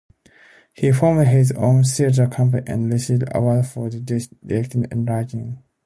He formed his own theater company and received awards for directing and writing.